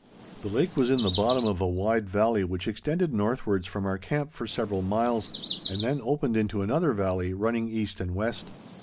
The lake was in the bottom of a wide valley, which extended northwards from our camp for several miles, and then opened into another valley running east and west.